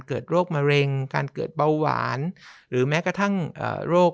โรคมะเร็งการเกิดเบาหวานหรือแม้กระทั่งโรค